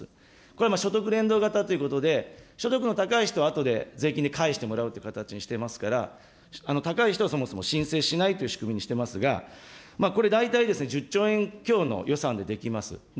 これは所得連動型ということで、所得の高い人はあとで税金で返してもらうという形にしていますから、高い人はそもそも申請しないという仕組みにしていますが、これ、大体１０兆円強の予算でできます。